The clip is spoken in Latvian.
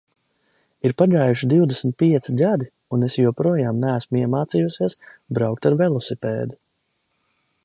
Ir pagājuši divdesmit pieci gadi, un es joprojām neesmu iemācījusies braukt ar velosipēdu.